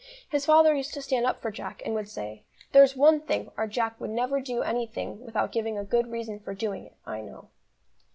His father used to stand up for Jack, and would say: "There's one thing, our Jack will never do anything without giving a good reason for doing it, I know."